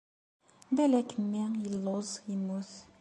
Balak mmi illuẓ immut.